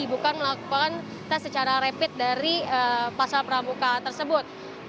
bukan melakukan tes secara rapid dari pasar pramuka tersebut